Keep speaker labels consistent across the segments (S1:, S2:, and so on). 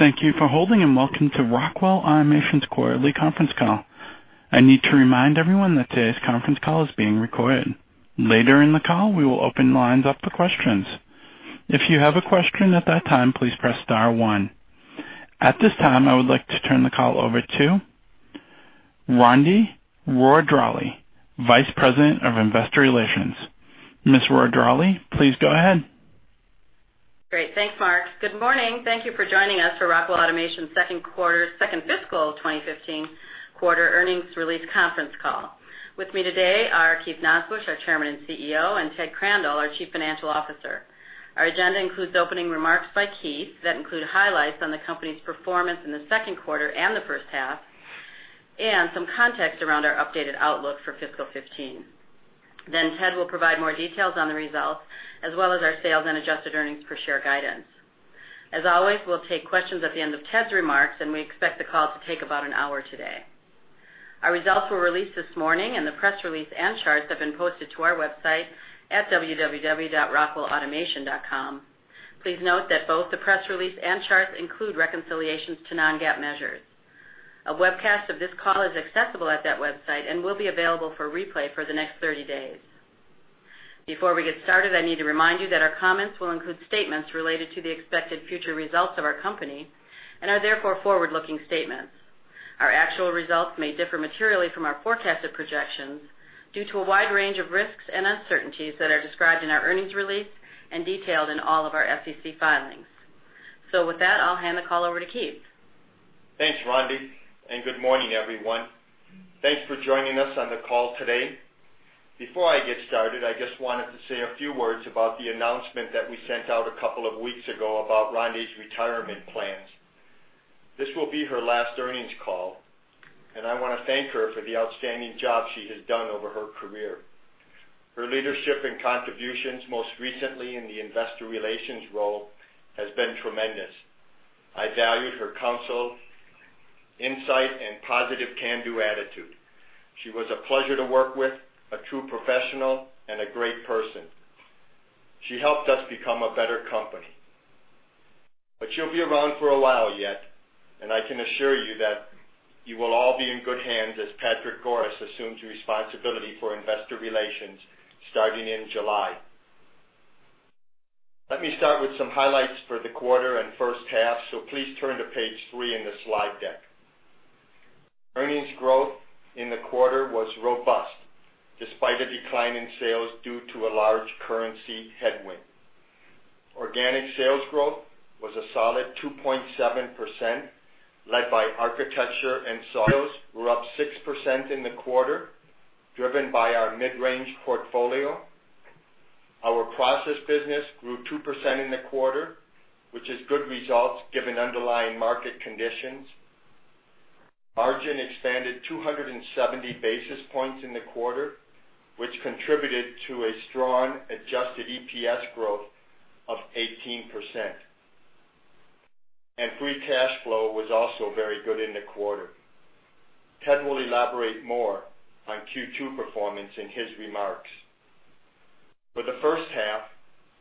S1: Thank you for holding, and welcome to Rockwell Automation's quarterly conference call. I need to remind everyone that today's conference call is being recorded. Later in the call, we will open lines up for questions. If you have a question at that time, please press star one. At this time, I would like to turn the call over to Rondi Rohr-Dralle, Vice President of Investor Relations. Ms. Rohr-Dralle, please go ahead.
S2: Great. Thanks, Mark. Good morning. Thank you for joining us for Rockwell Automation's second fiscal 2015 quarter earnings release conference call. With me today are Keith Nosbusch, our Chairman and CEO, and Ted Crandall, our Chief Financial Officer. Our agenda includes opening remarks by Keith that include highlights on the company's performance in the second quarter and the first half, and some context around our updated outlook for fiscal 2015. Ted will provide more details on the results, as well as our sales and adjusted earnings per share guidance. As always, we'll take questions at the end of Ted's remarks, and we expect the call to take about an hour today. Our results were released this morning, and the press release and charts have been posted to our website at www.rockwellautomation.com. Please note that both the press release and charts include reconciliations to non-GAAP measures. A webcast of this call is accessible at that website and will be available for replay for the next 30 days. Before we get started, I need to remind you that our comments will include statements related to the expected future results of our company and are therefore forward-looking statements. Our actual results may differ materially from our forecasted projections due to a wide range of risks and uncertainties that are described in our earnings release and detailed in all of our SEC filings. With that, I'll hand the call over to Keith.
S3: Thanks, Rondi. Good morning, everyone. Thanks for joining us on the call today. Before I get started, I just wanted to say a few words about the announcement that we sent out a couple of weeks ago about Rondi's retirement plans. This will be her last earnings call, and I want to thank her for the outstanding job she has done over her career. Her leadership and contributions, most recently in the investor relations role, has been tremendous. I valued her counsel, insight, and positive can-do attitude. She was a pleasure to work with, a true professional, and a great person. She helped us become a better company. She'll be around for a while yet, and I can assure you that you will all be in good hands as Patrick Goris assumes responsibility for investor relations starting in July. Let me start with some highlights for the quarter and first half, please turn to page three in the slide deck. Earnings growth in the quarter was robust despite a decline in sales due to a large currency headwind. Organic sales growth was a solid 2.7%, led by Architecture & Software and were up 6% in the quarter, driven by our mid-range portfolio. Our process business grew 2% in the quarter, which is good results given underlying market conditions. Margin expanded 270 basis points in the quarter, which contributed to a strong adjusted EPS growth of 18%. Free cash flow was also very good in the quarter. Ted will elaborate more on Q2 performance in his remarks. For the first half,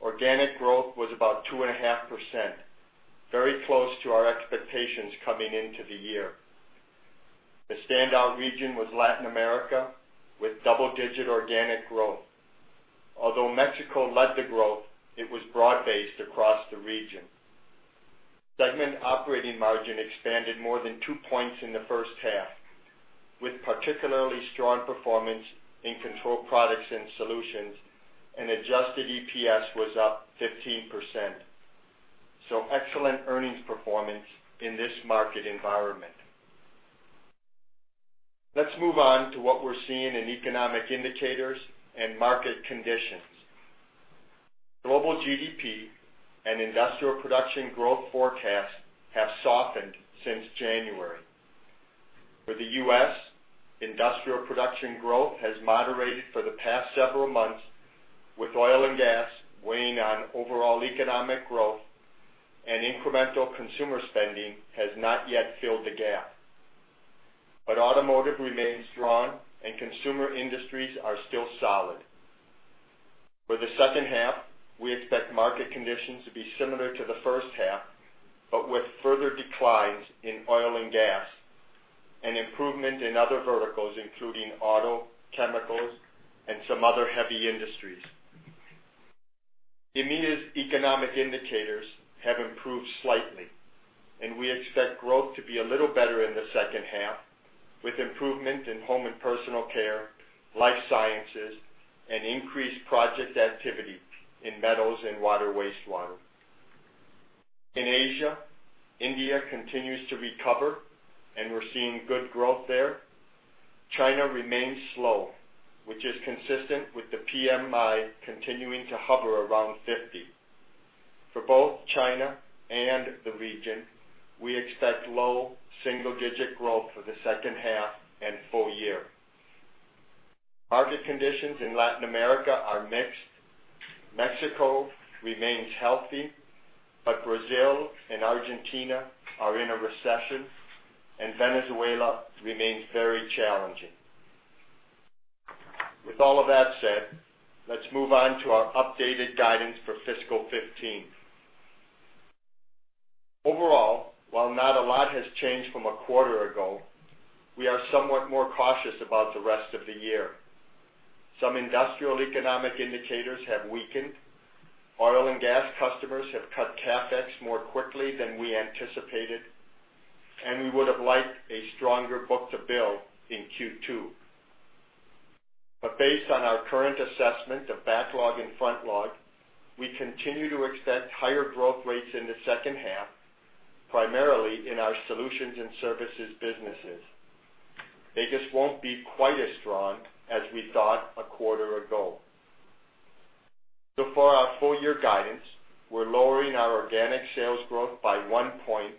S3: organic growth was about 2.5%, very close to our expectations coming into the year. The standout region was Latin America, with double-digit organic growth. Although Mexico led the growth, it was broad-based across the region. Segment operating margin expanded more than two points in the first half, with particularly strong performance in Control Products & Solutions, and adjusted EPS was up 15%. Excellent earnings performance in this market environment. Let's move on to what we're seeing in economic indicators and market conditions. Global GDP and industrial production growth forecasts have softened since January. For the U.S., industrial production growth has moderated for the past several months, with oil and gas weighing on overall economic growth, and incremental consumer spending has not yet filled the gap. Automotive remains strong and consumer industries are still solid. For the second half, we expect market conditions to be similar to the first half, with further declines in oil and gas and improvement in other verticals, including auto, chemicals, and some other heavy industries. EMEA's economic indicators have improved slightly, and we expect growth to be a little better in the second half, with improvement in home and personal care, life sciences, and increased project activity in metals and water wastewater. In Asia, India continues to recover, and we're seeing good growth there. China remains slow, which is consistent with the PMI continuing to hover around 50. For both China and the region, we expect low single-digit growth for the second half and full year. Market conditions in Latin America are mixed. Mexico remains healthy, but Brazil and Argentina are in a recession, and Venezuela remains very challenging. With all of that said, let's move on to our updated guidance for fiscal 2015. Overall, while not a lot has changed from a quarter ago, we are somewhat more cautious about the rest of the year. Some industrial economic indicators have weakened. Oil and gas customers have cut CapEx more quickly than we anticipated, and we would've liked a stronger book-to-bill in Q2. Based on our current assessment of backlog and frontlog, we continue to expect higher growth rates in the second half, primarily in our solutions and services businesses. They just won't be quite as strong as we thought a quarter ago. For our full-year guidance, we're lowering our organic sales growth by one point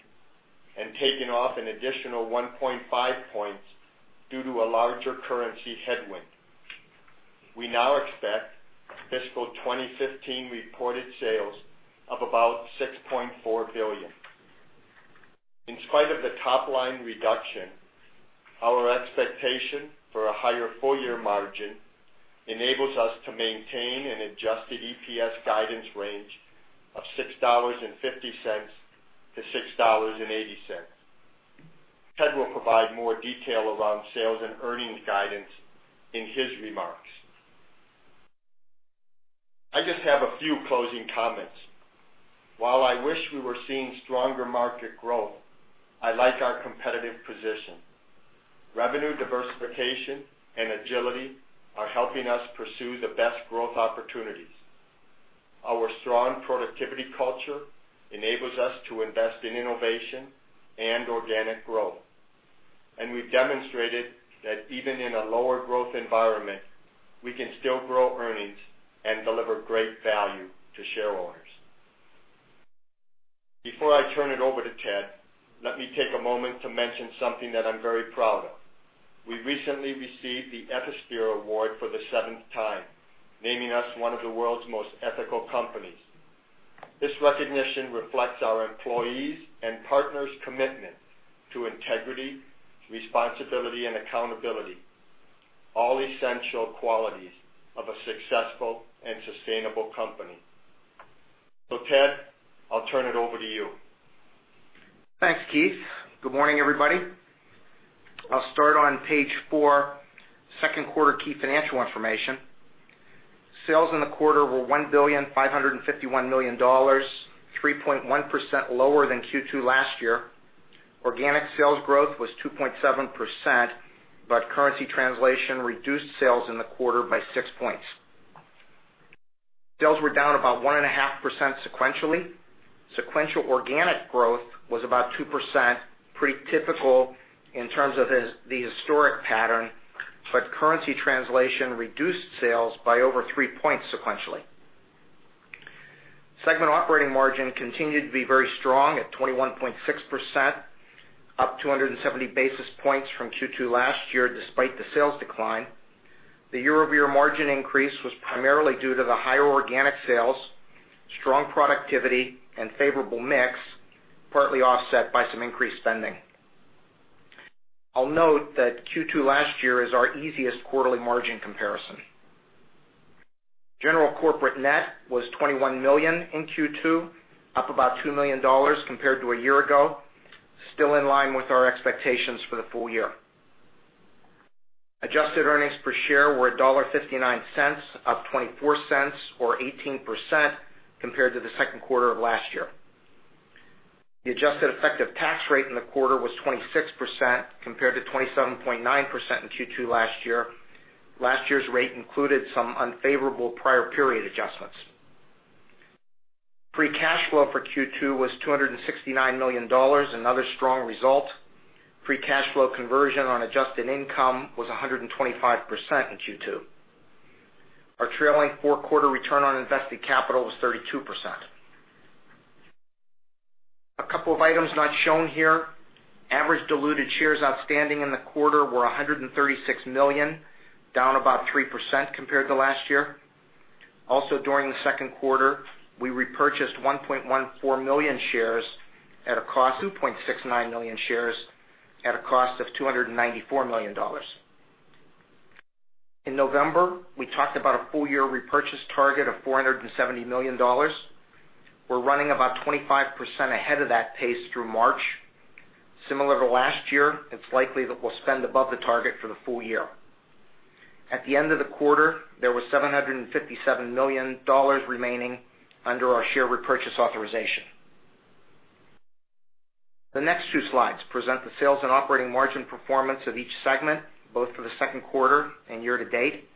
S3: and taking off an additional 1.5 points due to a larger currency headwind. We now expect fiscal 2015 reported sales of about $6.4 billion. In spite of the top-line reduction, our expectation for a higher full-year margin enables us to maintain an adjusted EPS guidance range of $6.50 to $6.80. Ted will provide more detail around sales and earnings guidance in his remarks. I just have a few closing comments. While I wish we were seeing stronger market growth, I like our competitive position. Revenue diversification and agility are helping us pursue the best growth opportunities. Our strong productivity culture enables us to invest in innovation and organic growth. We've demonstrated that even in a lower growth environment, we can still grow earnings and deliver great value to shareholders. Before I turn it over to Ted, let me take a moment to mention something that I'm very proud of. We recently received the Ethisphere Award for the seventh time, naming us one of the world's most ethical companies. This recognition reflects our employees' and partners' commitment to integrity, responsibility, and accountability, all essential qualities of a successful and sustainable company. Ted, I'll turn it over to you.
S4: Thanks, Keith. Good morning, everybody. I'll start on page four, second quarter key financial information. Sales in the quarter were $1,551,000,000, 3.1% lower than Q2 last year. Organic sales growth was 2.7%, but currency translation reduced sales in the quarter by six points. Sales were down about 1.5% sequentially. Sequential organic growth was about 2%, pretty typical in terms of the historic pattern, but currency translation reduced sales by over three points sequentially. Segment operating margin continued to be very strong at 21.6%, up 270 basis points from Q2 last year, despite the sales decline. The year-over-year margin increase was primarily due to the higher organic sales, strong productivity, and favorable mix, partly offset by some increased spending. I'll note that Q2 last year is our easiest quarterly margin comparison. General corporate net was $21 million in Q2, up about $2 million compared to a year ago, still in line with our expectations for the full year. Adjusted EPS were $1.59, up $0.24 or 18% compared to the second quarter of last year. The adjusted effective tax rate in the quarter was 26% compared to 27.9% in Q2 last year. Last year's rate included some unfavorable prior period adjustments. Free cash flow for Q2 was $269 million, another strong result. Free cash flow conversion on adjusted income was 125% in Q2. Our trailing four-quarter return on invested capital was 32%. A couple of items not shown here. Average diluted shares outstanding in the quarter were 136 million, down about 3% compared to last year. Also, during the second quarter, we repurchased 1.14 million shares of its common stock at a cost of $127.1 million. In November, we talked about a full-year repurchase target of $470 million. We're running about 25% ahead of that pace through March. Similar to last year, it's likely that we'll spend above the target for the full year. At the end of the quarter, there was $757 million remaining under our share repurchase authorization. The next two slides present the sales and operating margin performance of each segment, both for the second quarter and year to date.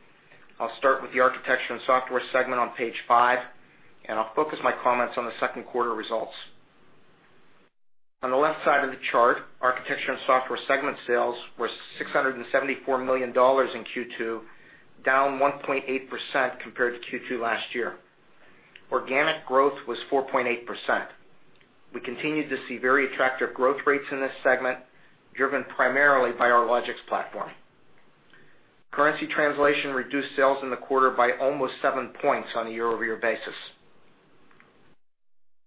S4: I'll start with the Architecture & Software segment on page five, and I'll focus my comments on the second quarter results. On the left side of the chart, Architecture & Software segment sales were $674 million in Q2, down 1.8% compared to Q2 last year. Organic growth was 4.8%. We continued to see very attractive growth rates in this segment, driven primarily by our Logix platform. Currency translation reduced sales in the quarter by almost 7 points on a year-over-year basis.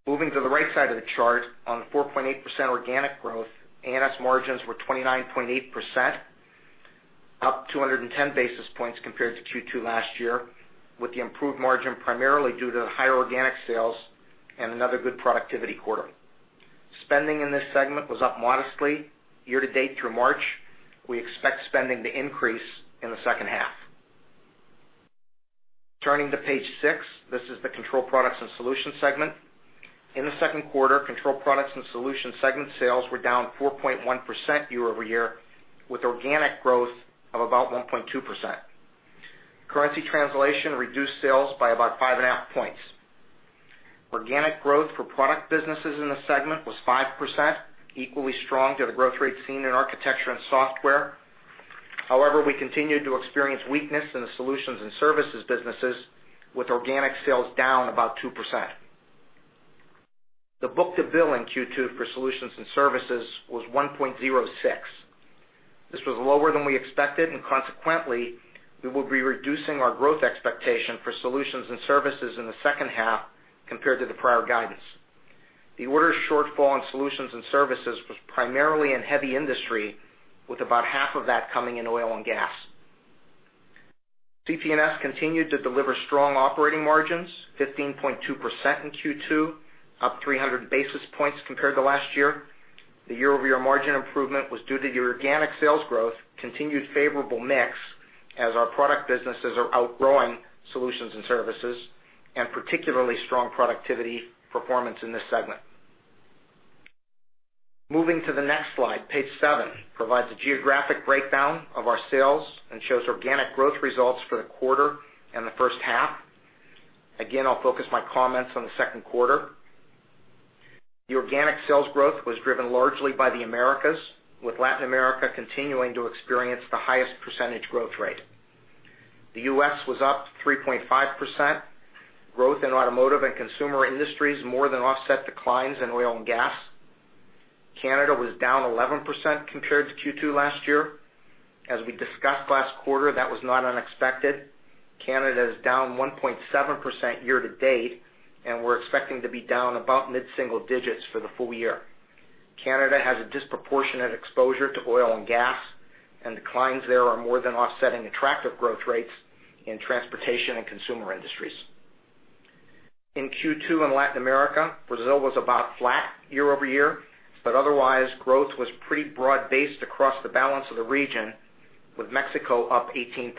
S4: Moving to the right side of the chart, on the 4.8% organic growth, A&S margins were 29.8%, up 210 basis points compared to Q2 last year, with the improved margin primarily due to higher organic sales and another good productivity quarter. Spending in this segment was up modestly year-to-date through March. We expect spending to increase in the second half. Turning to page 6, this is the Control Products & Solutions segment. In the second quarter, Control Products & Solutions segment sales were down 4.1% year-over-year, with organic growth of about 1.2%. Currency translation reduced sales by about 5.5 points. Organic growth for product businesses in the segment was 5%, equally strong to the growth rates seen in Architecture & Software. We continued to experience weakness in the solutions and services businesses, with organic sales down about 2%. The book-to-bill in Q2 for solutions and services was 1.06. This was lower than we expected, and consequently, we will be reducing our growth expectation for solutions and services in the second half compared to the prior guidance. The order shortfall in solutions and services was primarily in heavy industry, with about half of that coming in oil and gas. CP&S continued to deliver strong operating margins, 15.2% in Q2, up 300 basis points compared to last year. The year-over-year margin improvement was due to the organic sales growth, continued favorable mix as our product businesses are outgrowing solutions and services, and particularly strong productivity performance in this segment. Moving to the next slide, page 7 provides a geographic breakdown of our sales and shows organic growth results for the quarter and the first half. I'll focus my comments on the second quarter. The organic sales growth was driven largely by the Americas, with Latin America continuing to experience the highest percentage growth rate. The U.S. was up 3.5%. Growth in automotive and consumer industries more than offset declines in oil and gas. Canada was down 11% compared to Q2 last year. As we discussed last quarter, that was not unexpected. Canada is down 1.7% year-to-date, and we're expecting to be down about mid-single digits for the full year. Canada has a disproportionate exposure to oil and gas, and declines there are more than offsetting attractive growth rates in transportation and consumer industries. In Q2 in Latin America, Brazil was about flat year-over-year, but otherwise, growth was pretty broad-based across the balance of the region, with Mexico up 18%.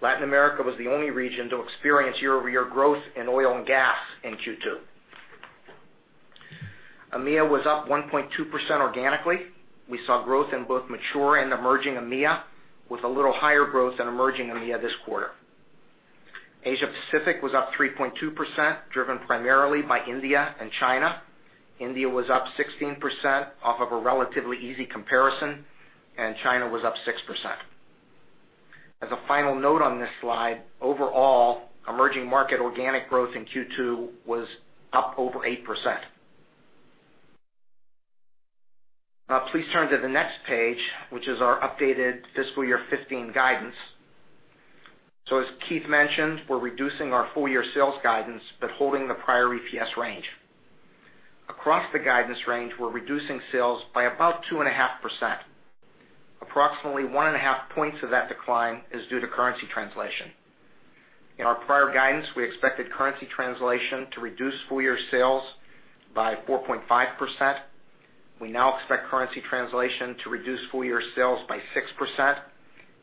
S4: Latin America was the only region to experience year-over-year growth in oil and gas in Q2. EMEA was up 1.2% organically. We saw growth in both mature and emerging EMEA, with a little higher growth in emerging EMEA this quarter. Asia Pacific was up 3.2%, driven primarily by India and China. India was up 16% off of a relatively easy comparison, and China was up 6%. As a final note on this slide, overall, emerging market organic growth in Q2 was up over 8%. Please turn to the next page, which is our updated FY 2015 guidance. As Keith mentioned, we're reducing our full-year sales guidance but holding the prior EPS range. Across the guidance range, we're reducing sales by about 2.5%. Approximately 1.5 points of that decline is due to currency translation. In our prior guidance, we expected currency translation to reduce full-year sales by 4.5%. We now expect currency translation to reduce full-year sales by 6%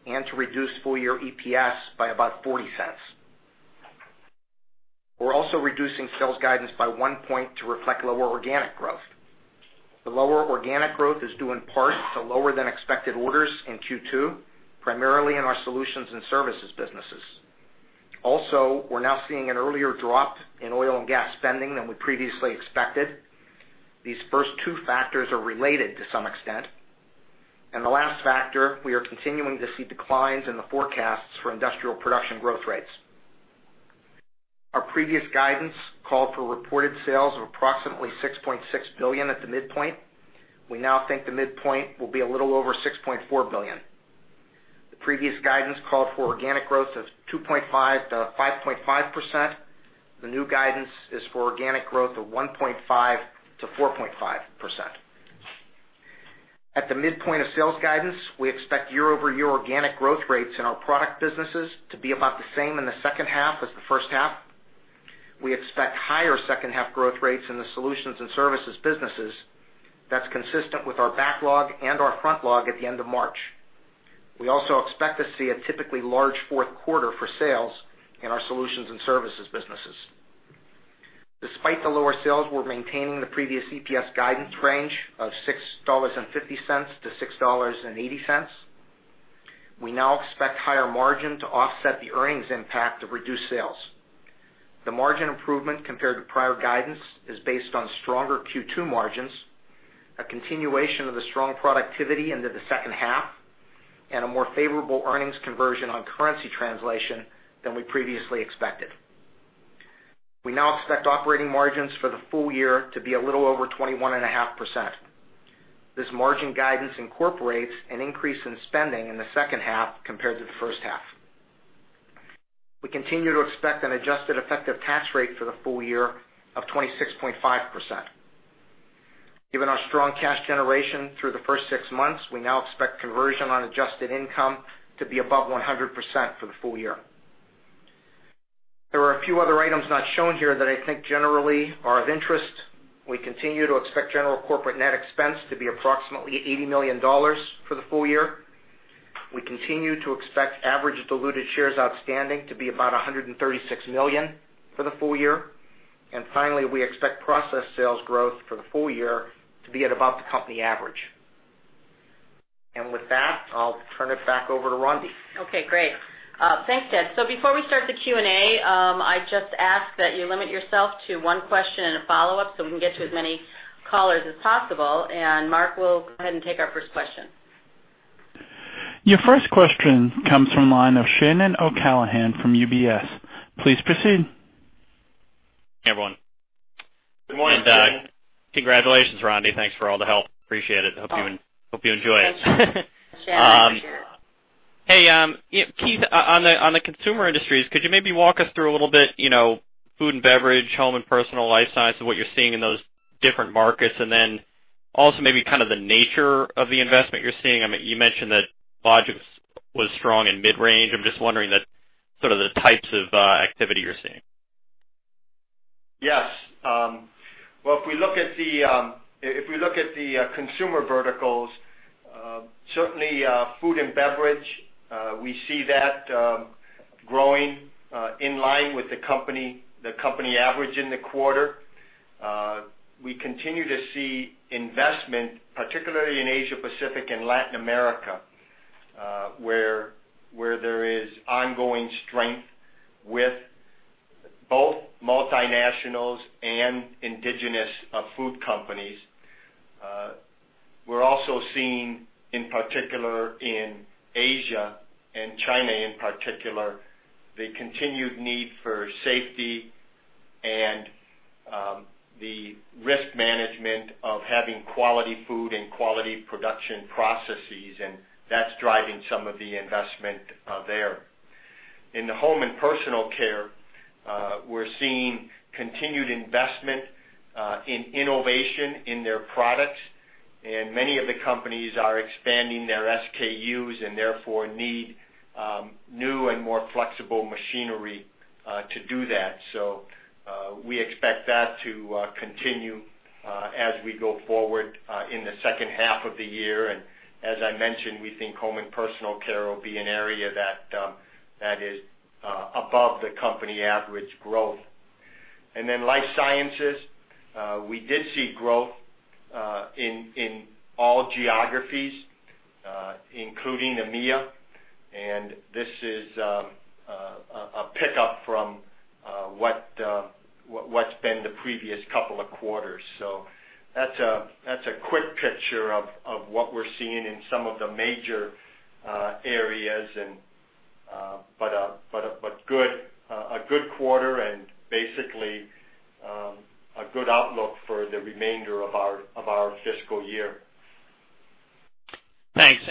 S4: and to reduce full-year EPS by about $0.40. We're also reducing sales guidance by one point to reflect lower organic growth. The lower organic growth is due in part to lower-than-expected orders in Q2, primarily in our solutions and services businesses. Also, we're now seeing an earlier drop in oil and gas spending than we previously expected. These first two factors are related to some extent. The last factor, we are continuing to see declines in the forecasts for industrial production growth rates. Our previous guidance called for reported sales of approximately $6.6 billion at the midpoint. We now think the midpoint will be a little over $6.4 billion. The previous guidance called for organic growth of 2.5%-5.5%. The new guidance is for organic growth of 1.5%-4.5%. At the midpoint of sales guidance, we expect year-over-year organic growth rates in our product businesses to be about the same in the second half as the first half. We expect higher second half growth rates in the solutions and services businesses. That's consistent with our backlog and our frontlog at the end of March. We also expect to see a typically large fourth quarter for sales in our solutions and services businesses. Despite the lower sales, we're maintaining the previous EPS guidance range of $6.50-$6.80. We now expect higher margin to offset the earnings impact of reduced sales. The margin improvement compared to prior guidance is based on stronger Q2 margins, a continuation of the strong productivity into the second half, and a more favorable earnings conversion on currency translation than we previously expected. We now expect operating margins for the full year to be a little over 21.5%. This margin guidance incorporates an increase in spending in the second half compared to the first half. We continue to expect an adjusted effective tax rate for the full year of 26.5%. Given our strong cash generation through the first six months, we now expect conversion on adjusted income to be above 100% for the full year. There are a few other items not shown here that I think generally are of interest. We continue to expect general corporate net expense to be approximately $80 million for the full year. We continue to expect average diluted shares outstanding to be about 136 million for the full year. Finally, we expect process sales growth for the full year to be at about the company average. With that, I'll turn it back over to Rondi.
S2: Okay, great. Thanks, Ted. Before we start the Q&A, I just ask that you limit yourself to one question and a follow-up so we can get to as many callers as possible. Mark, we'll go ahead and take our first question.
S1: Your first question comes from the line of Shannon O'Callaghan from UBS. Please proceed.
S5: Hey, everyone.
S3: Good morning.
S5: Congratulations, Rondi. Thanks for all the help. Appreciate it. Hope you enjoy it.
S2: Thanks, Shannon. Sure.
S5: Hey, Keith, on the consumer industries, could you maybe walk us through a little bit, food and beverage, home and personal life sciences, what you're seeing in those different markets, then also maybe kind of the nature of the investment you're seeing? You mentioned that Logix was strong in mid-range. I'm just wondering sort of the types of activity you're seeing.
S3: Yes. Well, if we look at the consumer verticals, certainly, food and beverage, we see that growing in line with the company average in the quarter. We continue to see investment, particularly in Asia Pacific and Latin America, where there is ongoing strength with both multinationals and indigenous food companies. We're also seeing, in particular in Asia and China in particular, the continued need for safety and the risk management of having quality food and quality production processes, and that's driving some of the investment there. In the home and personal care, we're seeing continued investment in innovation in their products, many of the companies are expanding their SKUs, and therefore, need new and more flexible machinery to do that. We expect that to continue as we go forward in the second half of the year. As I mentioned, we think home and personal care will be an area that is above the company average growth. In life sciences, we did see growth in all geographies, including EMEA, and this is a pick-up from what's been the previous couple of quarters. That's a quick picture of what we're seeing in some of the major areas. A good quarter and basically, a good outlook for the remainder of our fiscal year.
S5: Thanks.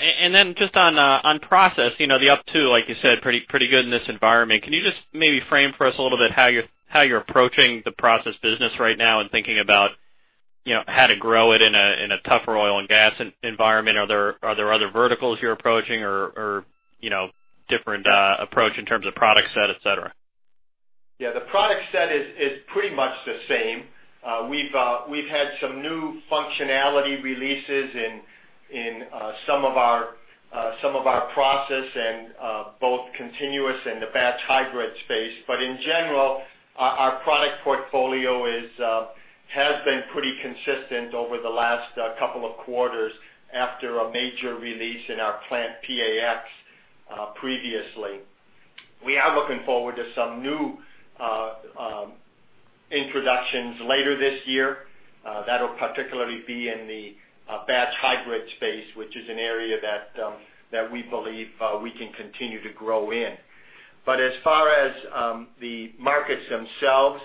S5: Just on process, the up two, like you said, pretty good in this environment. Can you just maybe frame for us a little bit how you're approaching the process business right now and thinking about how to grow it in a tougher oil and gas environment? Are there other verticals you're approaching or different approach in terms of product set, et cetera?
S3: Yeah, the product set is pretty much the same. We've had some new functionality releases in some of our process in both continuous and the batch hybrid space. In general, our product portfolio has been pretty consistent over the last couple of quarters after a major release in our PlantPAx previously. We are looking forward to some new introductions later this year. That'll particularly be in the batch hybrid space, which is an area that we believe we can continue to grow in. As far as the markets themselves,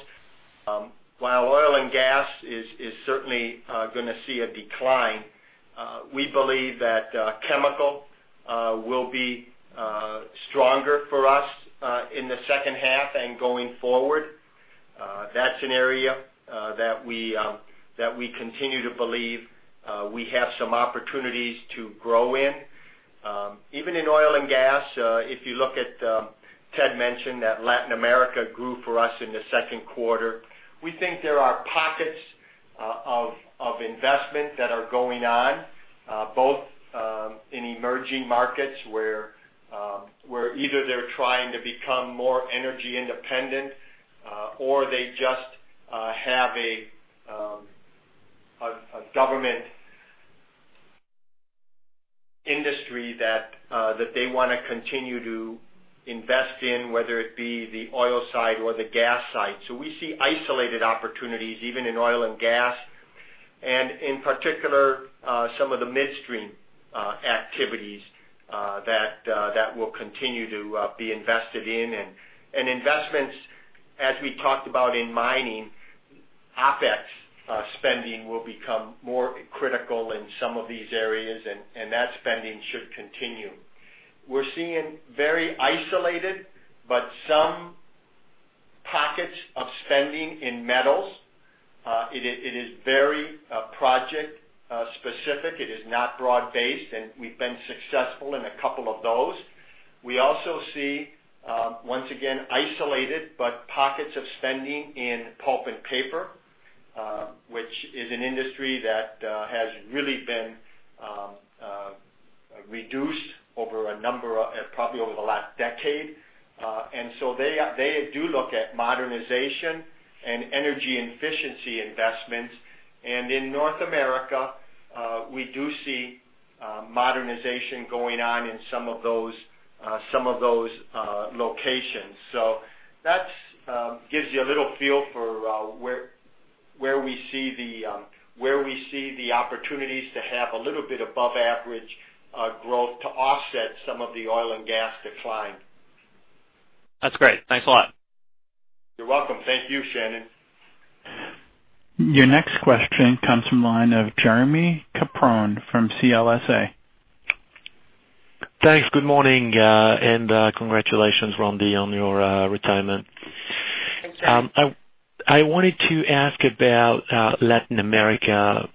S3: while oil and gas is certainly going to see a decline, we believe that chemical will be stronger for us in the second half and going forward. That's an area that we continue to believe we have some opportunities to grow in. Even in oil and gas, Ted mentioned that Latin America grew for us in the second quarter. We think there are pockets of investment that are going on, both in emerging markets, where either they're trying to become more energy independent, or they just have a government industry that they want to continue to invest in, whether it be the oil side or the gas side. We see isolated opportunities, even in oil and gas, and in particular, some of the midstream activities that will continue to be invested in. Investments As we talked about in mining, OpEx spending will become more critical in some of these areas, and that spending should continue. We're seeing very isolated, but some pockets of spending in metals. It is very project specific. It is not broad based, and we've been successful in a couple of those. We also see, once again, isolated, but pockets of spending in pulp and paper, which is an industry that has really been reduced probably over the last decade. They do look at modernization and energy efficiency investments. In North America, we do see modernization going on in some of those locations. That gives you a little feel for where we see the opportunities to have a little bit above average growth to offset some of the oil and gas decline.
S5: That's great. Thanks a lot.
S3: You're welcome. Thank you, Shannon.
S1: Your next question comes from the line of Jeremy Capron from CLSA.
S6: Thanks. Good morning, and congratulations, Rondi, on your retirement.
S3: Thanks, Jeremy.
S6: I wanted to ask about Latin America.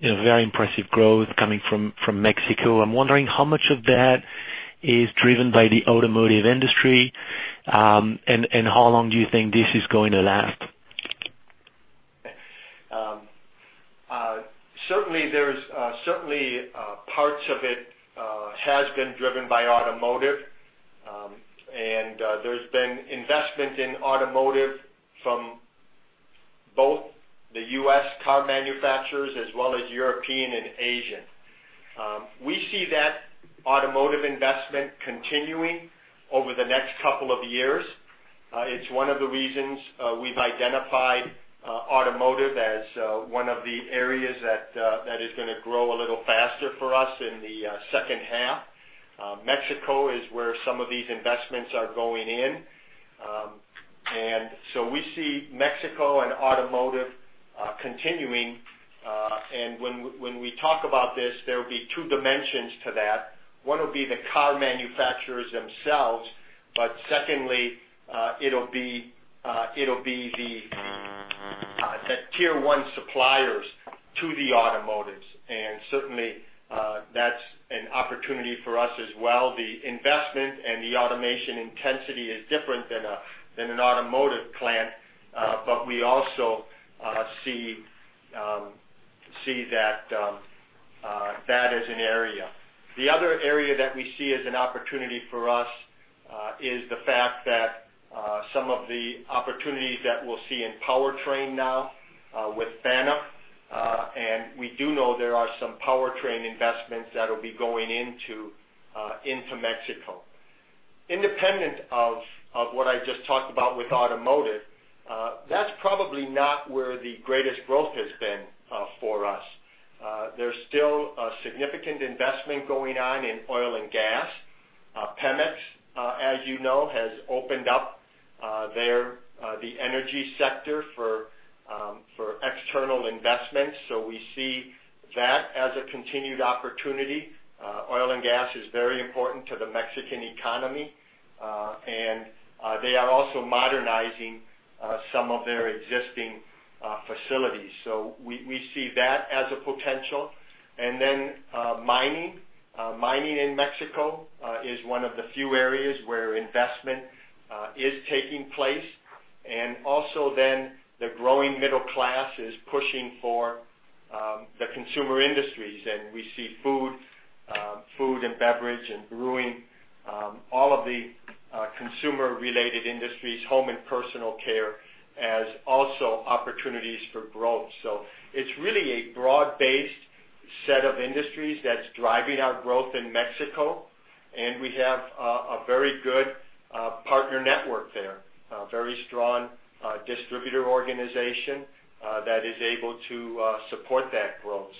S6: Very impressive growth coming from Mexico. I'm wondering how much of that is driven by the automotive industry, and how long do you think this is going to last?
S3: Certainly, parts of it has been driven by automotive. There's been investment in automotive from both the U.S. car manufacturers as well as European and Asian. We see that automotive investment continuing over the next couple of years. It's one of the reasons we've identified automotive as one of the areas that is going to grow a little faster for us in the second half. Mexico is where some of these investments are going in. We see Mexico and automotive continuing. When we talk about this, there will be two dimensions to that. One will be the car manufacturers themselves, but secondly, it'll be the tier 1 suppliers to the automotives. Certainly, that's an opportunity for us as well. The investment and the automation intensity is different than an automotive plant, but we also see that as an area. The other area that we see as an opportunity for us is the fact that some of the opportunities that we'll see in powertrain now with FANUC, and we do know there are some powertrain investments that will be going into Mexico. Independent of what I just talked about with automotive, that's probably not where the greatest growth has been for us. There's still a significant investment going on in oil and gas. Pemex, as you know, has opened up the energy sector for external investments, so we see that as a continued opportunity. Oil and gas is very important to the Mexican economy, and they are also modernizing some of their existing facilities. We see that as a potential. Mining. Mining in Mexico is one of the few areas where investment is taking place. Also then the growing middle class is pushing for the consumer industries. We see food and beverage and brewing, all of the consumer related industries, home and personal care, as also opportunities for growth. It's really a broad based set of industries that's driving our growth in Mexico, and we have a very good partner network there, a very strong distributor organization that is able to support that growth.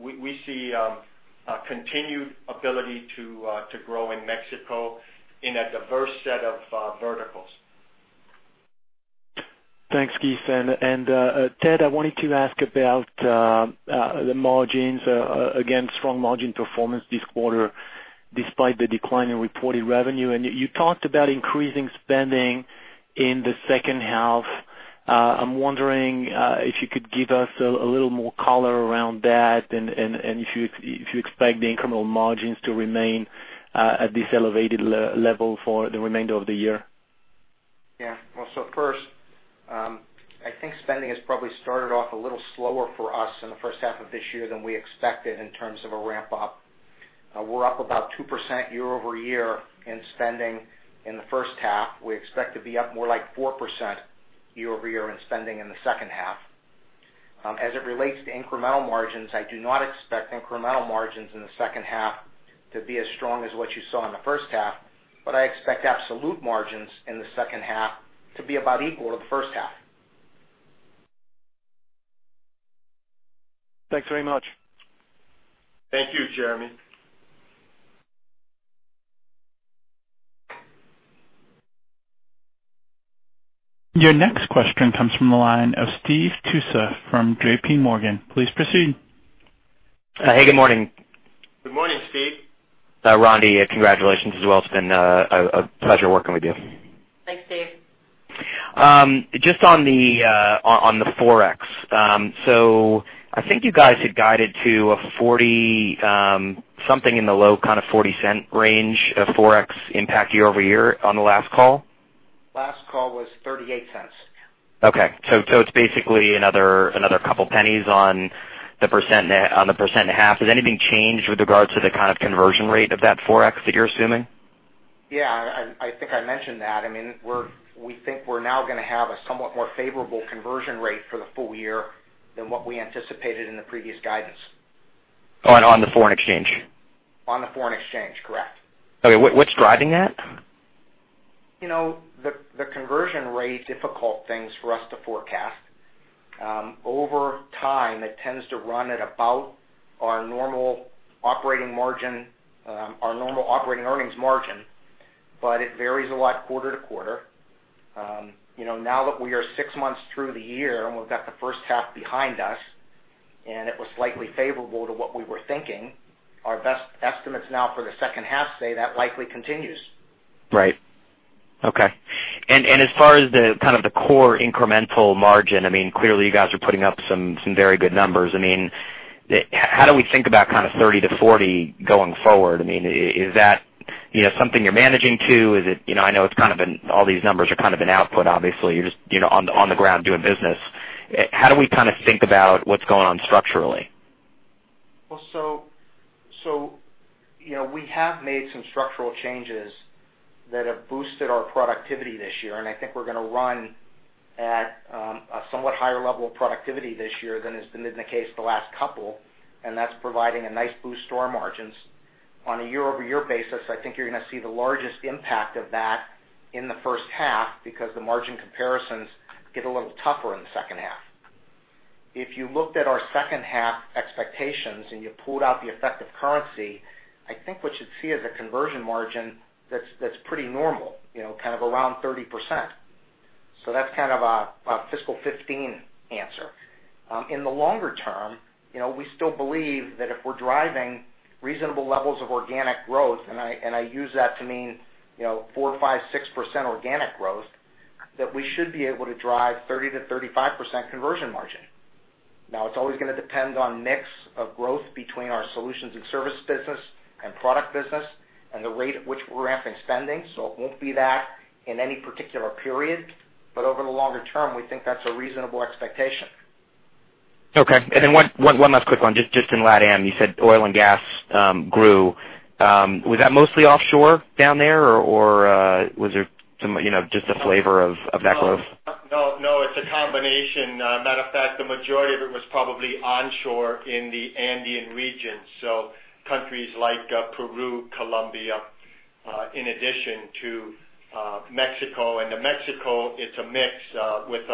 S3: We see a continued ability to grow in Mexico in a diverse set of verticals.
S6: Thanks, Keith. Ted, I wanted to ask about the margins. Again, strong margin performance this quarter, despite the decline in reported revenue. You talked about increasing spending in the second half. I'm wondering if you could give us a little more color around that and if you expect the incremental margins to remain at this elevated level for the remainder of the year.
S4: First, I think spending has probably started off a little slower for us in the first half of this year than we expected in terms of a ramp up. We're up about 2% year-over-year in spending in the first half. We expect to be up more like 4% year-over-year in spending in the second half. As it relates to incremental margins, I do not expect incremental margins in the second half to be as strong as what you saw in the first half, but I expect absolute margins in the second half to be about equal to the first half.
S6: Thanks very much.
S3: Thank you, Jeremy.
S1: Your next question comes from the line of Steve Tusa from JP Morgan. Please proceed.
S7: Hey, good morning.
S3: Good morning, Steve.
S7: Rondi, congratulations as well. It's been a pleasure working with you.
S2: Thanks, Steve.
S7: Just on the Forex. I think you guys had guided to something in the low kind of $0.40 range of Forex impact year-over-year on the last call.
S4: Last call was $0.38.
S7: Okay. It's basically another $0.02 on 1.5%. Has anything changed with regards to the kind of conversion rate of that Forex that you're assuming?
S4: Yeah, I think I mentioned that. We think we're now going to have a somewhat more favorable conversion rate for the full year than what we anticipated in the previous guidance.
S7: On the foreign exchange?
S4: On the foreign exchange, correct.
S7: Okay. What's driving that?
S4: The conversion rate, difficult things for us to forecast. Over time, it tends to run at about our normal operating earnings margin, but it varies a lot quarter to quarter. Now that we are six months through the year, and we've got the first half behind us, and it was slightly favorable to what we were thinking, our best estimates now for the second half say that likely continues.
S7: As far as the core incremental margin, clearly you guys are putting up some very good numbers. How do we think about 30%-40% going forward? Is that something you're managing to? I know all these numbers are kind of an output, obviously. You're just on the ground doing business. How do we think about what's going on structurally?
S4: We have made some structural changes that have boosted our productivity this year, and I think we're going to run at a somewhat higher level of productivity this year than has been the case the last couple, and that's providing a nice boost to our margins. On a year-over-year basis, I think you're going to see the largest impact of that in the first half because the margin comparisons get a little tougher in the second half. If you looked at our second half expectations and you pulled out the effect of currency, I think what you'd see is a conversion margin that's pretty normal, kind of around 30%. That's kind of a fiscal 2015 answer.
S3: In the longer term, we still believe that if we're driving reasonable levels of organic growth, and I use that to mean 4%, 5%, 6% organic growth, that we should be able to drive 30%-35% conversion margin. It's always going to depend on mix of growth between our solutions and service business and product business and the rate at which we're ramping spending. It won't be that in any particular period, but over the longer term, we think that's a reasonable expectation.
S7: Okay. One last quick one. Just in LatAm, you said oil and gas grew. Was that mostly offshore down there or was there just a flavor of that growth?
S3: It's a combination. Matter of fact, the majority of it was probably onshore in the Andean region, so countries like Peru, Colombia, in addition to Mexico. Mexico, it's a mix with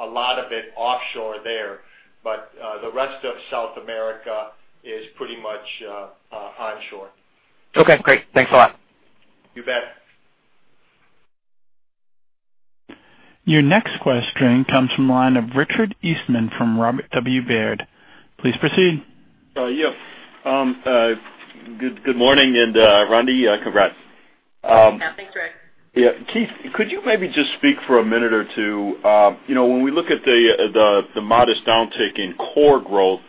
S3: a lot of it offshore there. The rest of South America is pretty much onshore.
S7: Okay, great. Thanks a lot.
S3: You bet.
S1: Your next question comes from the line of Richard Eastman from Robert W. Baird. Please proceed.
S8: Yeah. Good morning, and Rondi, congrats.
S2: Yeah. Thanks, Rich.
S8: Yeah. Keith, could you maybe just speak for a minute or two? When we look at the modest downtick in core growth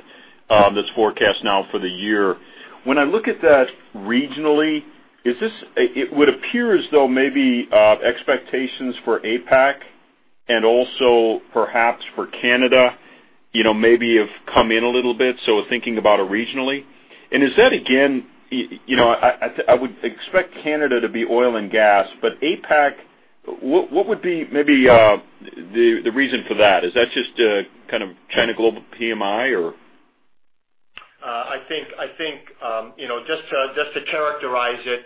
S8: that's forecast now for the year, when I look at that regionally, it would appear as though maybe expectations for APAC and also perhaps for Canada, maybe have come in a little bit, so thinking about it regionally. Is that again, I would expect Canada to be oil and gas, but APAC, what would be maybe the reason for that? Is that just kind of China global PMI or?
S3: I think, just to characterize it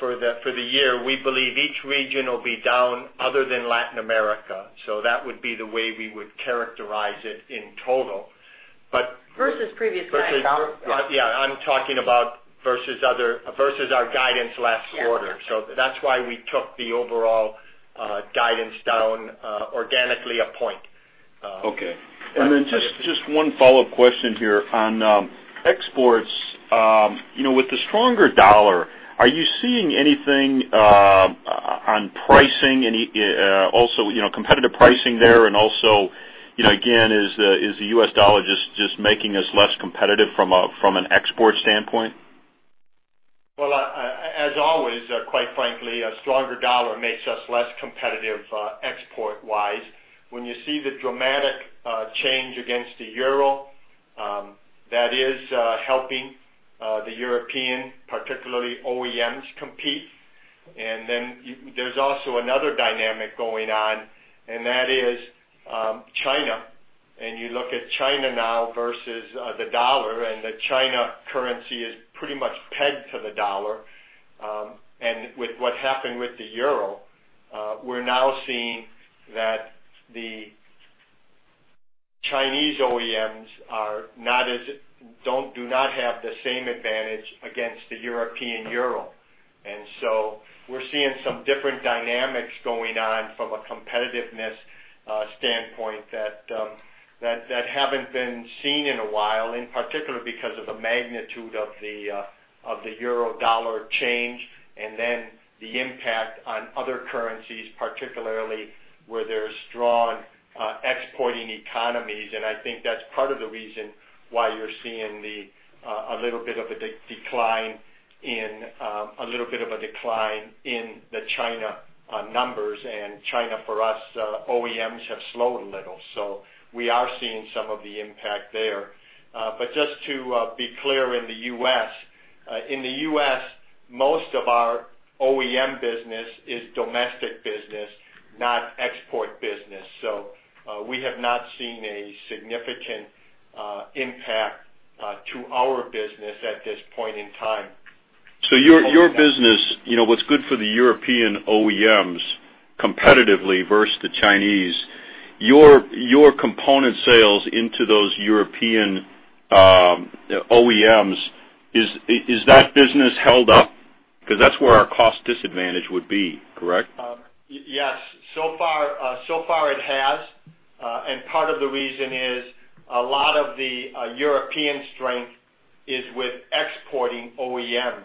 S3: for the year, we believe each region will be down other than Latin America. That would be the way we would characterize it in total.
S2: Versus previous guidance.
S3: Yeah, I'm talking about versus our guidance last quarter.
S2: Yeah. That's why we took the overall guidance down organically one point.
S8: Okay. Then just one follow-up question here on exports. With the stronger dollar, are you seeing anything on pricing, also competitive pricing there and also, again, is the U.S. dollar just making us less competitive from an export standpoint?
S3: Well, as always, quite frankly, a stronger dollar makes us less competitive export-wise. When you see the dramatic change against the euro, that is helping the European, particularly OEMs, compete. Then there's also another dynamic going on, and that is China. You look at China now versus the dollar, and the China currency is pretty much pegged to the dollar. With what happened with the euro. We're now seeing that the Chinese OEMs do not have the same advantage against the European euro. So we're seeing some different dynamics going on from a competitiveness standpoint that haven't been seen in a while, in particular because of the magnitude of the euro/dollar change and then the impact on other currencies, particularly where there's strong exporting economies. I think that's part of the reason why you're seeing a little bit of a decline in the China numbers. China, for us, OEMs have slowed a little, we are seeing some of the impact there. Just to be clear, in the U.S., most of our OEM business is domestic business, not export business. We have not seen a significant impact to our business at this point in time.
S8: Your business, what's good for the European OEMs competitively versus the Chinese, your component sales into those European OEMs, is that business held up? Because that's where our cost disadvantage would be, correct?
S3: Yes. Far it has. Part of the reason is a lot of the European strength is with exporting OEMs.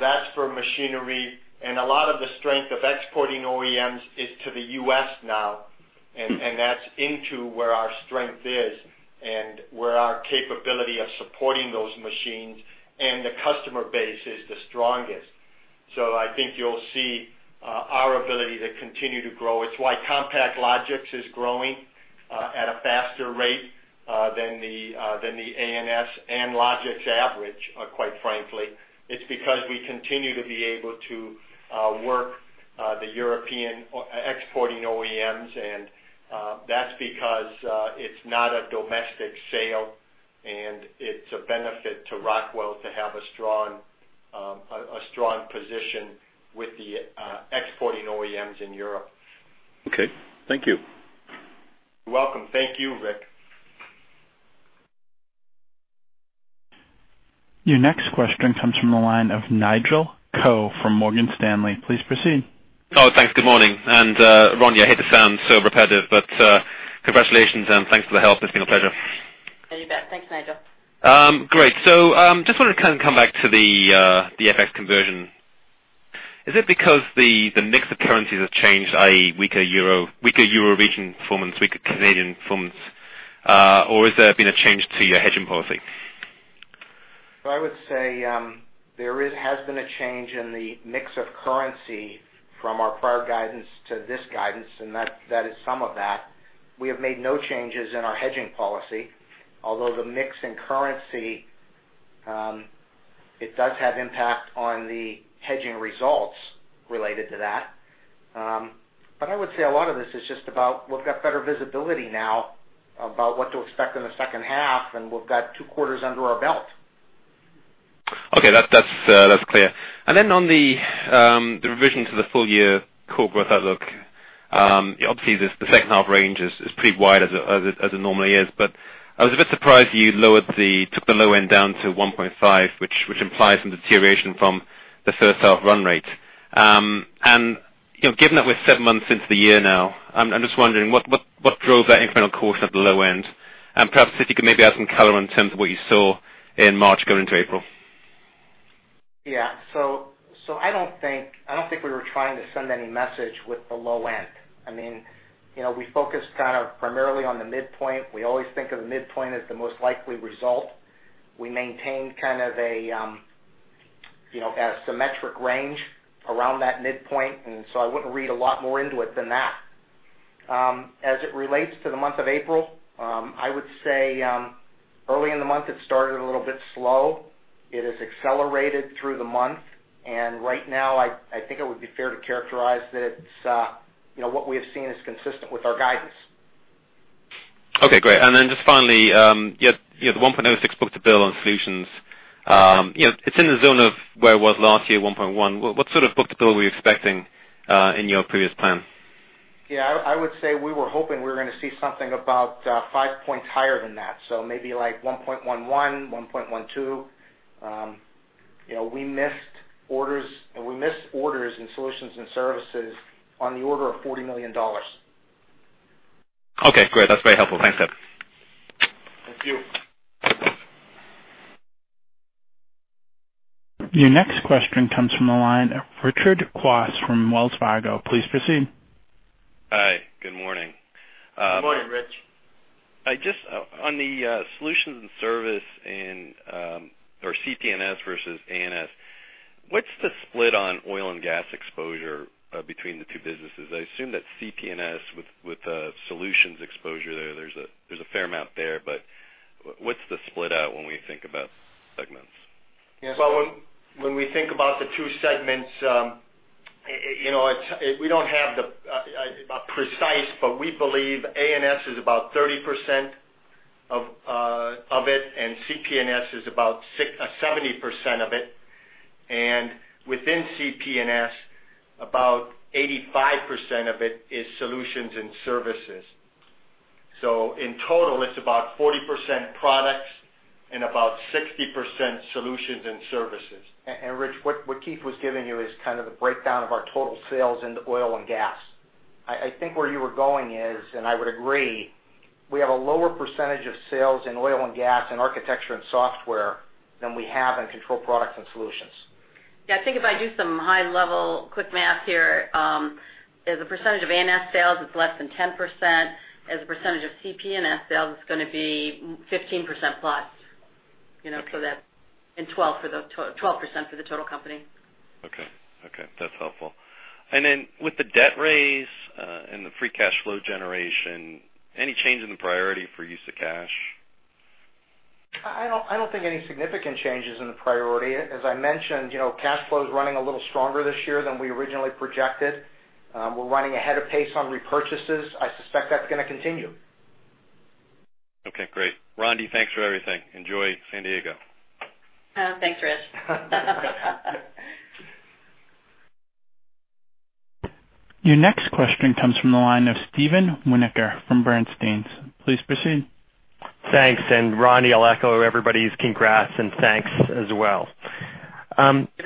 S3: That's for machinery. A lot of the strength of exporting OEMs is to the U.S. now, and that's into where our strength is and where our capability of supporting those machines and the customer base is the strongest. I think you'll see our ability to continue to grow. It's why CompactLogix is growing at a faster rate than the A&S and Logix average, quite frankly. It's because we continue to be able to work the European exporting OEMs, and that's because it's not a domestic sale, and it's a benefit to Rockwell to have a strong position with the exporting OEMs in Europe.
S8: Okay. Thank you.
S3: You're welcome. Thank you, Rick.
S1: Your next question comes from the line of Nigel Coe from Morgan Stanley. Please proceed.
S9: Oh, thanks. Good morning. Rondi, I hate to sound so repetitive, but congratulations and thanks for the help. It's been a pleasure.
S2: You bet. Thanks, Nigel.
S9: Great. Just wanted to kind of come back to the FX conversion. Is it because the mix of currencies have changed, i.e., weaker Euro region performance, weaker Canadian performance? Or has there been a change to your hedging policy?
S4: I would say, there has been a change in the mix of currency from our prior guidance to this guidance, and that is some of that. We have made no changes in our hedging policy, although the mix in currency, it does have impact on the hedging results related to that. I would say a lot of this is just about, we've got better visibility now about what to expect in the second half, and we've got two quarters under our belt.
S9: Okay. That's clear. Then on the revisions to the full-year core growth outlook, obviously, the second half range is pretty wide, as it normally is. I was a bit surprised you took the low end down to 1.5, which implies some deterioration from the first half run rate. Given that we're seven months into the year now, I'm just wondering what drove that incremental caution at the low end? Perhaps if you could maybe add some color in terms of what you saw in March going into April.
S3: Yeah. I don't think we were trying to send any message with the low end. We focus kind of primarily on the midpoint. We always think of the midpoint as the most likely result. We maintain kind of a symmetric range around that midpoint, so I wouldn't read a lot more into it than that. As it relates to the month of April, I would say, early in the month, it started a little bit slow. It has accelerated through the month, right now, I think it would be fair to characterize that what we have seen is consistent with our guidance.
S9: Okay, great. Just finally, you had the 1.06 book-to-bill on solutions. It's in the zone of where it was last year, 1.1. What sort of book-to-bill were you expecting in your previous plan?
S4: Yeah, I would say we were hoping we were going to see something about 5 points higher than that. Maybe like 1.11, 1.12. We missed orders in solutions and services on the order of $40 million.
S9: Okay, great. That's very helpful. Thanks, Keith.
S3: Thank you.
S1: Your next question comes from the line of Richard Kwas from Wells Fargo. Please proceed.
S10: Hi. Good morning.
S3: Good morning, Rich.
S10: Just on the solutions and service or CP&S versus A&S, what's the split on oil and gas exposure between the two businesses? I assume that CP&S with solutions exposure there's a fair amount there. What's the split out when we think about segments?
S3: When we think about the two segments, we don't have a precise, but we believe A&S is about 30%. Of it, CP&S is about 70% of it. Within CP&S, about 85% of it is solutions and services. In total, it's about 40% products and about 60% solutions and services.
S4: Rich, what Keith was giving you is kind of the breakdown of our total sales into oil and gas. I think where you were going is, I would agree, we have a lower percentage of sales in oil and gas and Architecture & Software than we have in Control Products & Solutions.
S2: I think if I do some high-level quick math here, as a percentage of A&S sales, it's less than 10%. As a percentage of CP&S sales, it's going to be 15%-plus.
S3: Okay.
S2: 12% for the total company.
S10: Okay. That's helpful. With the debt raise and the free cash flow generation, any change in the priority for use of cash?
S4: I don't think any significant changes in the priority. As I mentioned, cash flow is running a little stronger this year than we originally projected. We're running ahead of pace on repurchases. I suspect that's going to continue.
S3: Okay, great. Rondi, thanks for everything. Enjoy San Diego.
S2: Thanks, Rich.
S1: Your next question comes from the line of Steven Winoker from Bernstein. Please proceed.
S11: Thanks. Rondi, I'll echo everybody's congrats and thanks as well.
S2: Good.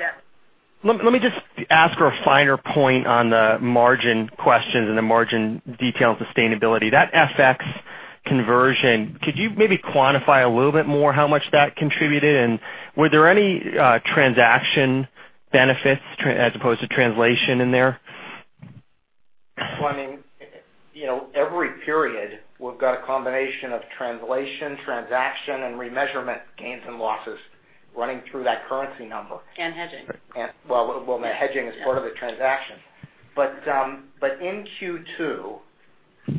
S11: Let me just ask for a finer point on the margin questions and the margin detail and sustainability. That FX conversion, could you maybe quantify a little bit more how much that contributed, and were there any transaction benefits as opposed to translation in there?
S4: Every period, we've got a combination of translation, transaction, and remeasurement gains and losses running through that currency number.
S2: Hedging.
S4: The hedging is part of the transaction. In Q2,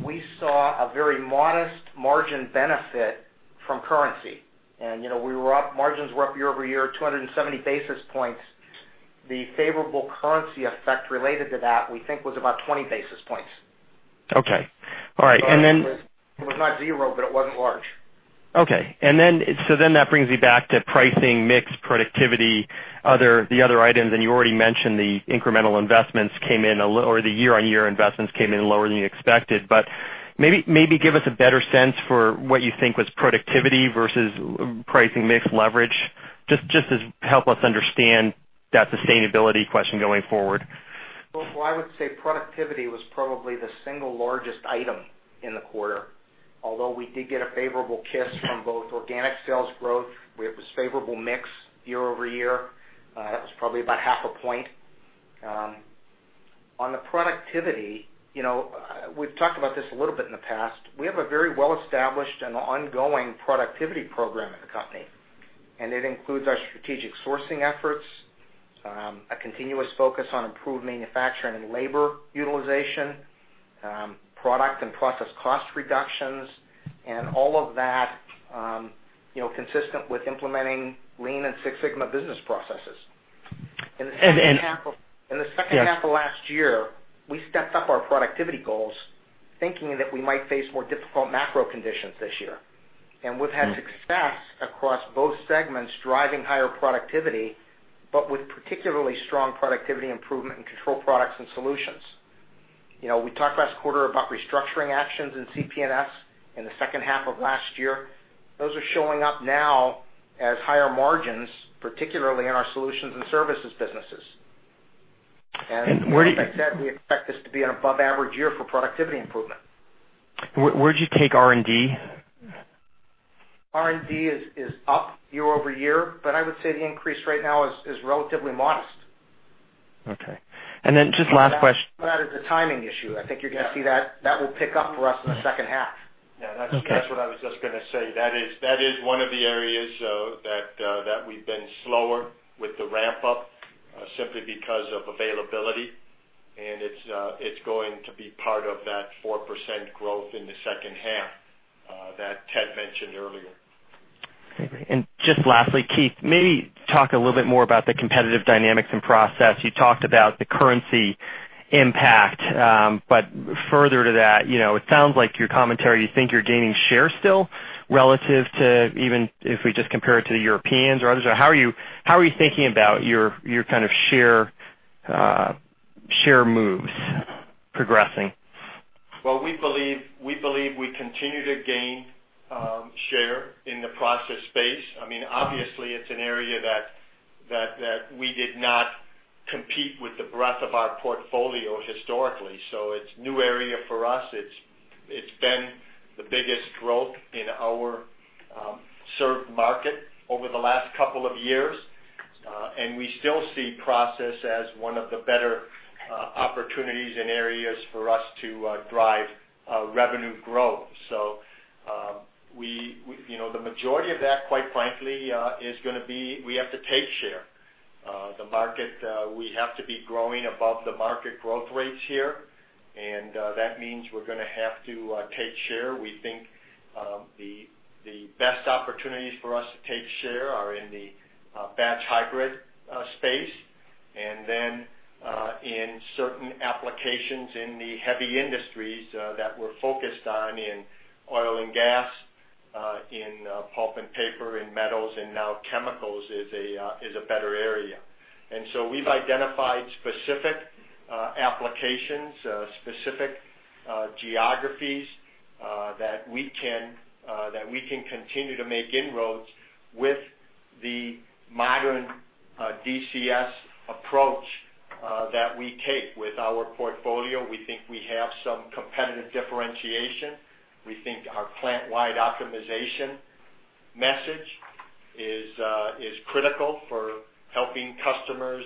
S4: we saw a very modest margin benefit from currency. Margins were up year-over-year, 270 basis points. The favorable currency effect related to that, we think was about 20 basis points.
S11: Okay. All right.
S4: It was not zero, but it wasn't large.
S11: Okay. That brings me back to pricing, mix, productivity, the other items, and you already mentioned the incremental investments came in, or the year-on-year investments came in lower than you expected. Maybe give us a better sense for what you think was productivity versus pricing mix leverage. Just to help us understand that sustainability question going forward.
S4: I would say productivity was probably the single largest item in the quarter. Although we did get a favorable kiss from both organic sales growth, we have this favorable mix year-over-year. That was probably about half a point. On the productivity, we've talked about this a little bit in the past. We have a very well-established and ongoing productivity program at the company, and it includes our strategic sourcing efforts, a continuous focus on improved manufacturing and labor utilization, product and process cost reductions, and all of that consistent with implementing Lean and Six Sigma business processes.
S11: And-
S4: In the second half of last year, we stepped up our productivity goals, thinking that we might face more difficult macro conditions this year. We've had success across both segments, driving higher productivity, but with particularly strong productivity improvement in Control Products & Solutions. We talked last quarter about restructuring actions in CP&S in the second half of last year. Those are showing up now as higher margins, particularly in our solutions and services businesses.
S11: Where do you-
S4: like I said, we expect this to be an above average year for productivity improvement.
S11: Where'd you take R&D?
S4: R&D is up year-over-year, I would say the increase right now is relatively modest.
S11: Okay.
S4: That is a timing issue. I think you're going to see that will pick up for us in the second half.
S3: Yeah, that's what I was just going to say. That is one of the areas that we've been slower with the ramp-up simply because of availability, and it's going to be part of that 4% growth in the second half that Ted mentioned earlier.
S11: Okay, great. Just lastly, Keith, maybe talk a little bit more about the competitive dynamics in process. You talked about the currency impact. Further to that, it sounds like your commentary, you think you're gaining share still relative to even if we just compare it to Europeans or others? Or how are you thinking about your kind of share moves progressing?
S3: Well, we believe we continue to gain share in the process space. Obviously, it's an area that we did not compete with the breadth of our portfolio historically. It's a new area for us. It's been the biggest growth in our served market over the last couple of years. We still see process as one of the better opportunities and areas for us to drive revenue growth. The majority of that, quite frankly, is going to be, we have to take share. We have to be growing above the market growth rates here, and that means we're going to have to take share. We think the best opportunities for us to take share are in the batch hybrid space. Then in certain applications in the heavy industries that we're focused on in oil and gas, in pulp and paper, in metals, and now chemicals is a better area. We've identified specific applications, specific geographies that we can continue to make inroads with the modern DCS approach that we take with our portfolio. We think we have some competitive differentiation. We think our plant-wide optimization message is critical for helping customers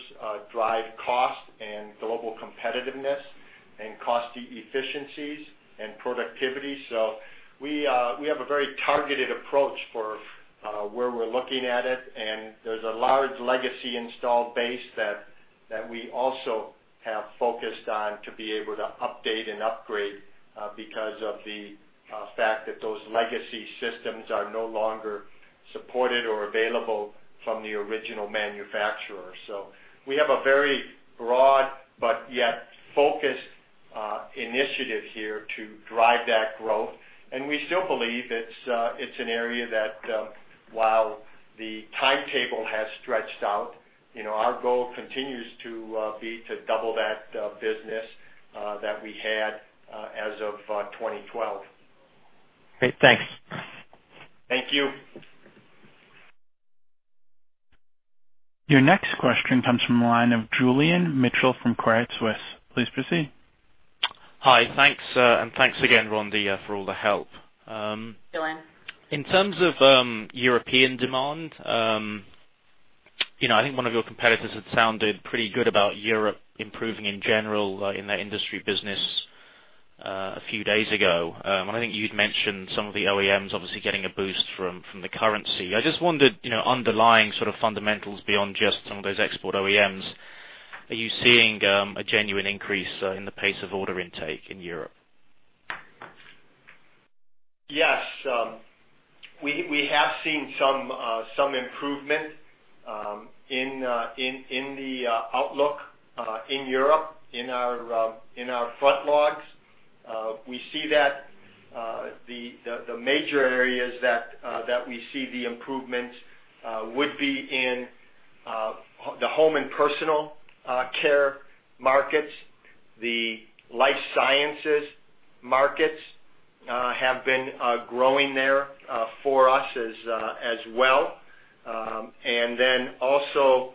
S3: drive cost and global competitiveness and cost efficiencies and productivity. We have a very targeted approach for where we're looking at it, and there's a large legacy installed base that we also have focused on to be able to update and upgrade because of the fact that those legacy systems are no longer supported or available from the original manufacturer. We have a very broad but yet focused initiative here to drive that growth. We still believe it's an area that while the timetable has stretched out, our goal continues to be to double that business that we had as of 2012.
S11: Great. Thanks.
S3: Thank you.
S1: Your next question comes from the line of Julian Mitchell from Credit Suisse. Please proceed.
S12: Hi. Thanks, thanks again, Rondi, for all the help.
S2: Julian.
S12: In terms of European demand, I think one of your competitors had sounded pretty good about Europe improving in general in their industry business a few days ago. I think you'd mentioned some of the OEMs obviously getting a boost from the currency. I just wondered underlying sort of fundamentals beyond just some of those export OEMs, are you seeing a genuine increase in the pace of order intake in Europe?
S3: Yes. We have seen some improvement in the outlook in Europe, in our frontlogs. The major areas that we see the improvements would be in the home and personal care markets. The life sciences markets have been growing there for us as well. Also,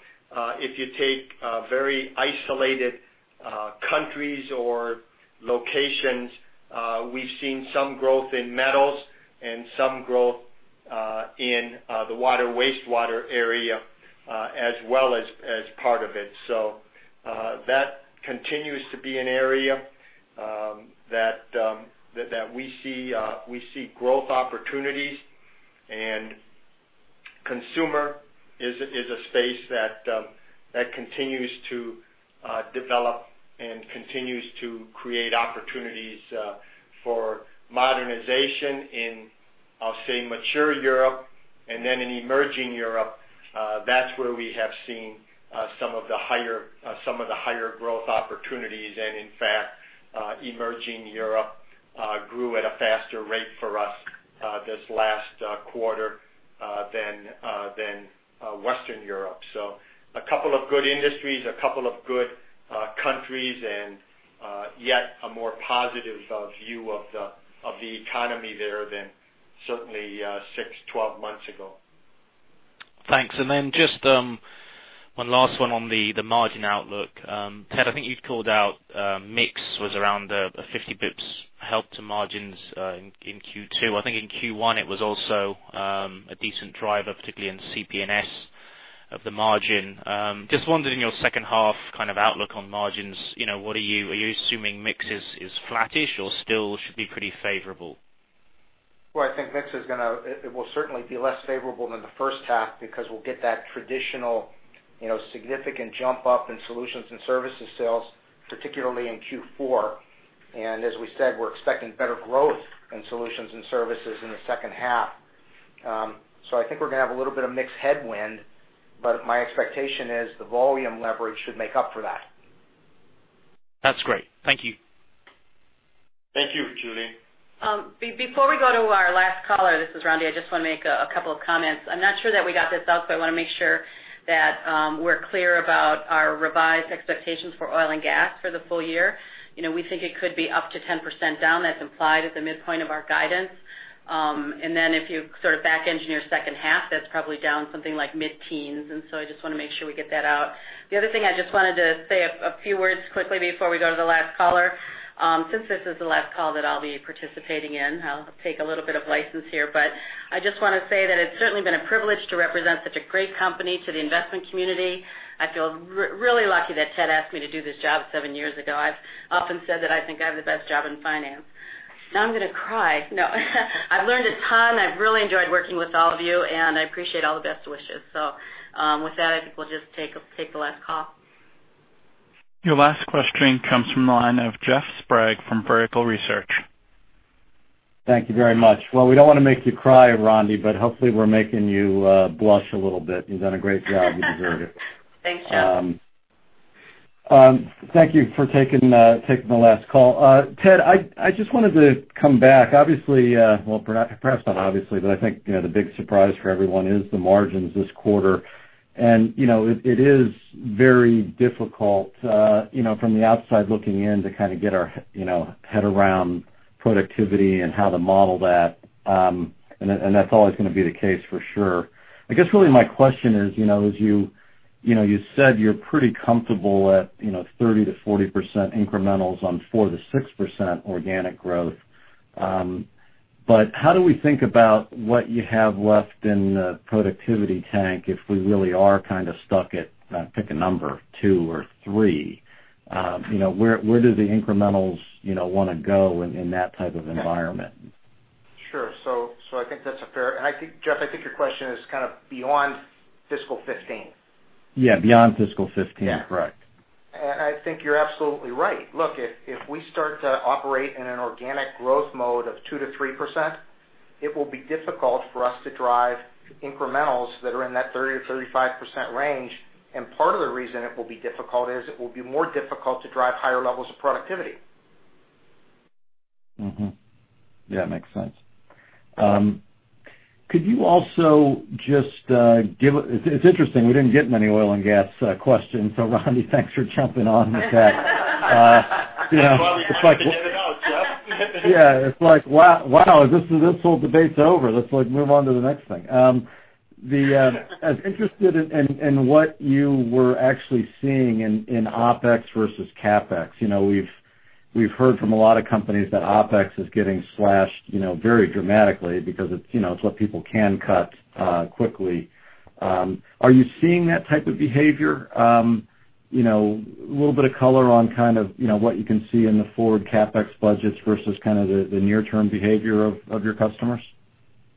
S3: if you take very isolated countries or locations, we've seen some growth in metals and some growth in the water wastewater area as well as part of it. That continues to be an area that we see growth opportunities, and consumer is a space that continues to develop and continues to create opportunities for modernization in, I'll say, mature Europe. In emerging Europe, that's where we have seen some of the higher growth opportunities. In fact, emerging Europe grew at a faster rate for us this last quarter than Western Europe. A couple of good industries, a couple of good countries, and yet a more positive view of the economy there than certainly 6, 12 months ago.
S12: Thanks. Just one last one on the margin outlook. Ted, I think you'd called out mix was around a 50 basis points help to margins in Q2. I think in Q1 it was also a decent driver, particularly in CPS, of the margin. Just wondering your second half kind of outlook on margins, are you assuming mix is flattish or still should be pretty favorable?
S4: I think mix will certainly be less favorable than the first half because we'll get that traditional significant jump up in solutions and services sales, particularly in Q4. As we said, we're expecting better growth in solutions and services in the second half. I think we're going to have a little bit of mix headwind, but my expectation is the volume leverage should make up for that.
S12: That's great. Thank you.
S3: Thank you, Julian.
S2: Before we go to our last caller, this is Rondi, I just want to make a couple of comments. I am not sure that we got this out, I want to make sure that we are clear about our revised expectations for oil and gas for the full year. We think it could be up to 10% down. That is implied at the midpoint of our guidance. Then if you sort of back engineer second half, that is probably down something like mid-teens. I just want to make sure we get that out. The other thing, I just wanted to say a few words quickly before we go to the last caller. Since this is the last call that I will be participating in, I will take a little bit of license here, but I just want to say that it is certainly been a privilege to represent such a great company to the investment community. I feel really lucky that Ted asked me to do this job seven years ago. I have often said that I think I have the best job in finance. Now I am going to cry. No. I have learned a ton. I have really enjoyed working with all of you, and I appreciate all the best wishes. With that, I think we will just take the last call.
S1: Your last question comes from the line of Jeff Sprague from Vertical Research.
S13: Thank you very much. We don't want to make you cry, Rondi, but hopefully we're making you blush a little bit. You've done a great job. You deserve it. Thanks, Jeff. Thank you for taking the last call. Ted, I just wanted to come back, obviously perhaps not obviously, but I think the big surprise for everyone is the margins this quarter. It is very difficult from the outside looking in to get our head around productivity and how to model that. That's always going to be the case for sure. I guess really my question is, you said you're pretty comfortable at 30%-40% incrementals on 4%-6% organic growth. How do we think about what you have left in the productivity tank if we really are kind of stuck at, pick a number, 2% or 3%? Where do the incrementals want to go in that type of environment?
S4: Sure. I think that's a fair. Jeff, I think your question is kind of beyond fiscal 2015.
S13: Yeah, beyond fiscal 2015.
S4: Yeah.
S13: Correct.
S4: I think you're absolutely right. Look, if we start to operate in an organic growth mode of 2%-3%, it will be difficult for us to drive incrementals that are in that 30%-35% range. Part of the reason it will be difficult is it will be more difficult to drive higher levels of productivity.
S13: Mm-hmm. Yeah, makes sense. It's interesting, we didn't get many oil and gas questions. Rondi, thanks for jumping on with that.
S4: That's why we have the notes, Jeff.
S13: Yeah. It's like, wow, this whole debate's over. Let's move on to the next thing. I was interested in what you were actually seeing in OpEx versus CapEx. We've heard from a lot of companies that OpEx is getting slashed very dramatically because it's what people can cut quickly. Are you seeing that type of behavior? A little bit of color on what you can see in the forward CapEx budgets versus the near-term behavior of your customers.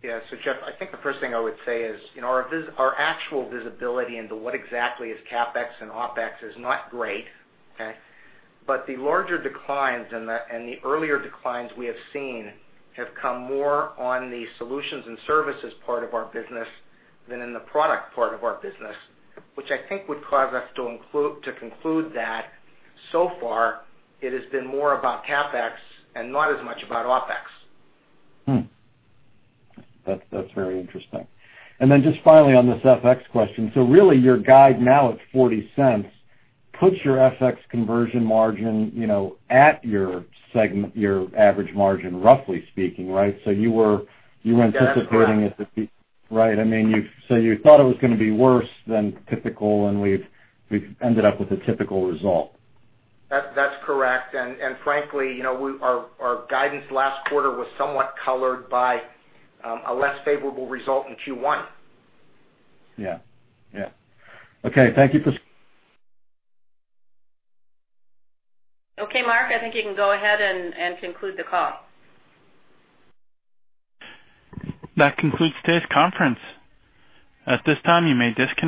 S4: Yeah. Jeff, I think the first thing I would say is our actual visibility into what exactly is CapEx and OpEx is not great. Okay? The larger declines and the earlier declines we have seen have come more on the solutions and services part of our business than in the product part of our business, which I think would cause us to conclude that so far it has been more about CapEx and not as much about OpEx.
S13: Hmm. That's very interesting. Just finally on this FX question. Really, your guide now at $0.40 puts your FX conversion margin at your average margin, roughly speaking, right? You were
S4: That's correct.
S13: You were anticipating it to be Right. You thought it was going to be worse than typical, and we've ended up with a typical result.
S4: That's correct. Frankly, our guidance last quarter was somewhat colored by a less favorable result in Q1.
S13: Yeah. Okay. Thank you.
S2: Okay, Mark, I think you can go ahead and conclude the call.
S1: That concludes today's conference. At this time, you may disconnect.